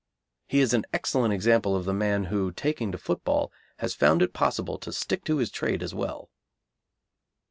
He is an excellent example of the man who, taking to football, has found it possible to stick to his trade as well.